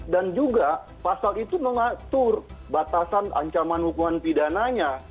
dan juga pasal itu mengatur batasan ancaman hukuman pidananya